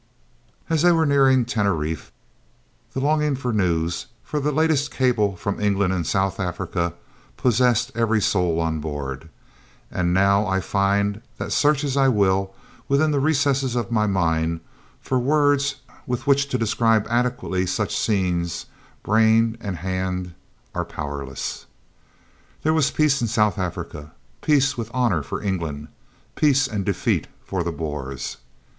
As they were nearing Teneriffe the longing for news, for the latest cables from England and South Africa, possessed every soul on board and now I find that, search as I will, within the recesses of my mind, for words with which to describe adequately such scenes, brain and hand are powerless. There was peace in South Africa peace "with honour" for England, peace and defeat for the Boers!